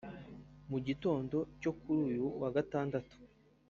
Mu gitondo cyo kuri uyu wa Gandatatu